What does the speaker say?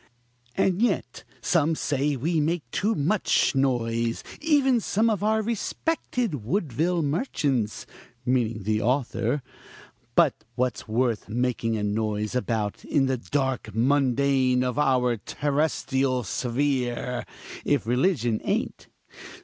"And yet some say we make too much noise even some of our respected Woodville merchants (meaning the author). But what's worth making a noise about in the dark mundane of our terrestrial sphere, if religion ain't?